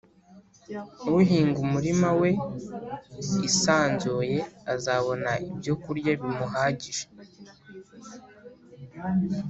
uhinga umurima we isanzuye azabona ibyokurya bimuhagije